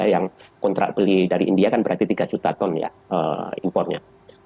yang kontrak beli dari india kan berarti tiga juta ton ya impornya